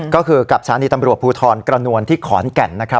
ก็คือกับสถานีตำรวจภูทรกระนวลที่ขอนแก่นนะครับ